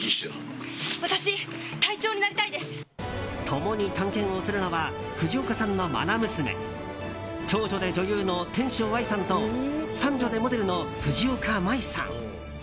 共に探検をするのは藤岡さんの愛娘長女で女優の天翔愛さんと三女でモデルの藤岡舞衣さん。